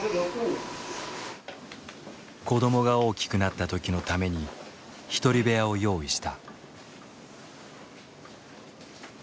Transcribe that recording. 子どもが大きくなった時のために一人部屋を用意した。